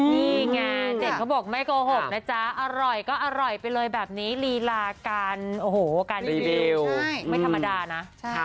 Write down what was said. นี่ไงเด็กเขาบอกไม่โกหกนะจ๊ะอร่อยก็อร่อยไปเลยแบบนี้ลีลาการโอ้โหการรีวิวไม่ธรรมดานะ